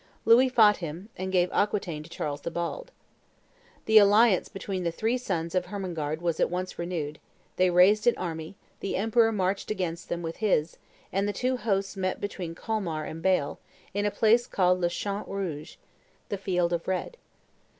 Louis fought him, and gave Aquitaine to Charles the Bald. The alliance between the three sons of Hermengarde was at once renewed; they raised an army; the emperor marched against them with his; and the two hosts met between Colmar and Bale, in a place called le Champ rouge (the field of red).